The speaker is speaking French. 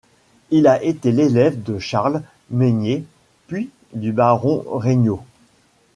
Il a été l'élève de Charles Meynier, puis du Baron Regnault.